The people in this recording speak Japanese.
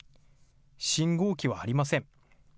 信号機はありません。